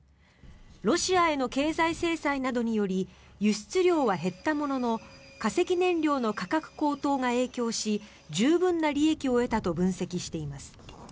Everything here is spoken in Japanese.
ロシアへの経済制裁などにより輸出量は減ったものの化石燃料の価格高騰が影響し十分な利益を得たと分析しています。